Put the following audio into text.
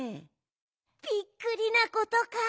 びっくりなことか。